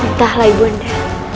entahlah ibu anda